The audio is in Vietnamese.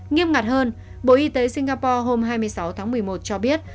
nghiêm ngặt hơn bộ y tế singapore hôm hai mươi sáu tháng một mươi một cho biết